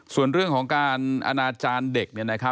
ส่วนเรื่องของการอนาจารย์เด็ก